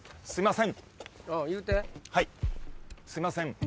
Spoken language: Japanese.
すいません。